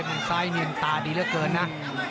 มันซ้ายเนียนตาดีเหลือเกินนะ